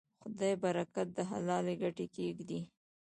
خدای برکت د حلالې ګټې کې ږدي.